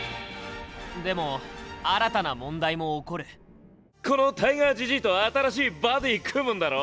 でも新たな問題も起こるこのタイガーじじいと新しいバディ組むんだろ？